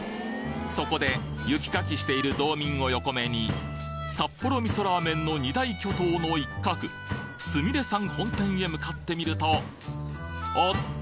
そこで雪かきしている道民を横目に札幌味噌ラーメンの２大巨頭の一角すみれさん本店へ向かってみるとおおっと！